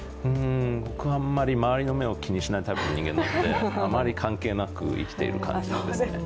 僕はあまり周りの目を気にしないタイプの人間なので、あまり関係なく生きている感じですね。